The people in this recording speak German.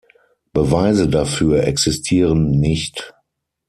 Beweise dafür existieren nicht.